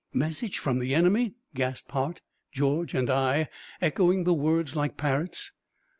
"Message from the enemy!" gasped Hart, George and I, echoing the words like parrots.